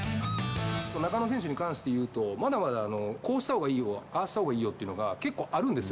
中野選手に関していうと、まだまだこうしたほうがいいよ、ああしたほうがいいよっていうのが結構あるんですよ。